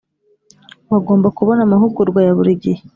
Bagomba kubona amahugurwa ya buri gihe